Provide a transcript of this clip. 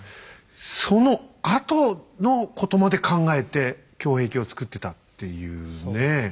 そのあとのことまで考えて胸壁を造ってたっていうね。